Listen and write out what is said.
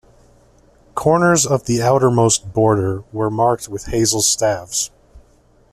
Corners of the outermost border were marked with hazel staves.